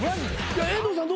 遠藤さん